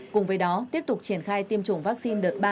cùng với đó tiếp tục triển khai tiêm chủng vaccine đợt ba